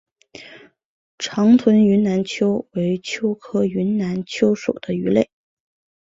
长臀云南鳅为鳅科云南鳅属的鱼类。